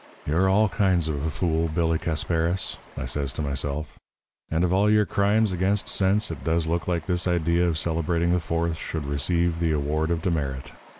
'You're all kinds of a fool, Billy Casparis,' I says to myself; 'and of all your crimes against sense it does look like this idea of celebrating the Fourth should receive the award of demerit.